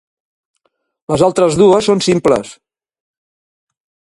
Les altres dues són simples.